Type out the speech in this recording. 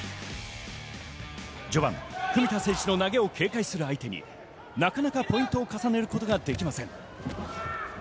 序盤、文田選手の投げを警戒する相手になかなかポイントを重ねることができません。